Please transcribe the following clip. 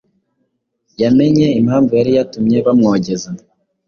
Yamenye impamvu yari yatumye bamwogeza